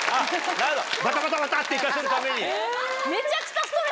なるほどバタバタバタって行かせるために。